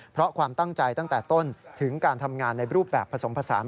เพราะความตั้งใจตั้งแต่ต้นถึงการทำงานในรูปแบบผสมผสาน